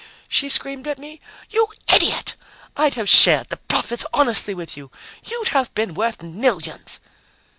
she screamed at me. "You idiot! I'd have shared the profits honestly with you. You'd have been worth millions!"